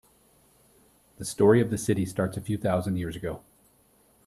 The story of the city starts a few thousand years ago.